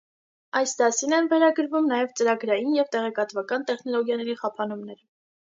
Այս դասին են վերագրվում նաև ծրագրային և տեղեկատվական տեխնոլոգիաների խափանումները։